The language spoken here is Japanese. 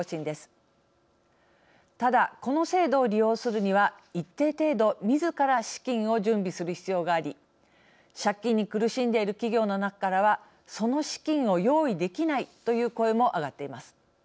ただこの制度を利用するには一定程度みずから資金を準備する必要があり借金に苦しんでいる企業の中からはその資金を用意できないという声も上がっています。